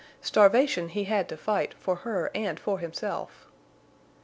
Starvation he had to fight for her and for himself.